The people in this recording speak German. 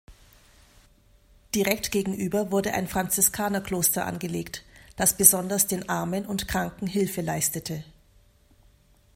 Direkt gegenüber wurde ein Franziskanerkloster angelegt, das besonders den Armen und Kranken Hilfe leistete.